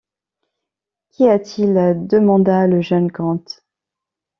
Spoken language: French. Qu’y a-t-il? demanda le jeune Grant.